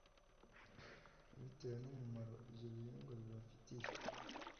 bitewe n’umumaro ibyo bihingwa biba bibafitiye.